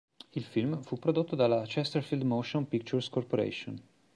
Il film fu prodotto dalla Chesterfield Motion Pictures Corporation.